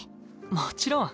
もちろん。